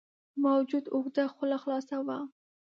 موجود اوږده خوله خلاصه وه.